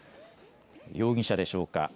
容疑者でしょうか。